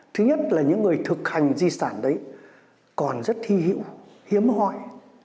thứ nhất là những người thực hành di sản đấy còn rất thi hữu hiếm hoi